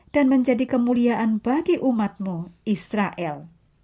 dan menjadi kemuliaan bagi umatmu israel